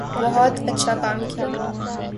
بہت اچھا کام کیا